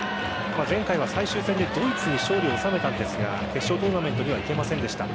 前回は最終戦でドイツに勝利を収めたんですが決勝トーナメントには行けませんでした。